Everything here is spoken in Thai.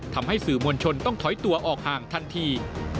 ทำให้สื่อมวลชนต้องถอยตัวออกห่างทันที